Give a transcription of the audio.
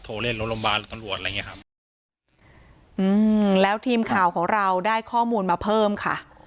โทรเล่นโรงโรมบาลตังหลวนอะไรเงี้ยครับแล้วทีมข่าวของเราได้ข้อมูลมาเพิ่มค่ะ